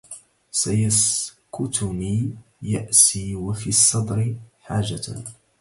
سيسكتني يأسي وفي الصدر حاجة